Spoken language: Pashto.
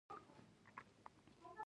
دا لاره په تېره زمانه کې تجربه شوې ده.